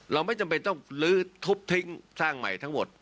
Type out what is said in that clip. เราไม่จำเป็นต้องลื้อทุบทิ้งสร้างใหม่ทั้งหมด